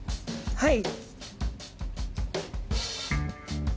はい。